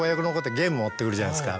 持ってくるじゃないですか